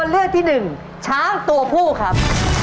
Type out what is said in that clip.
เรื่องที่หนึ่งช้างตัวผู้ครับ